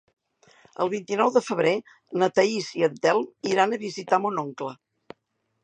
El vint-i-nou de febrer na Thaís i en Telm iran a visitar mon oncle.